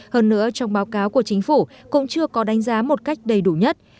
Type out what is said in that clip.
hơn nữa trong báo cáo của chính phủ cũng chưa có đánh giá một cách đầy đủ nhất